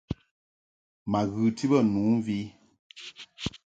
Ma ghɨti bə nu mvi.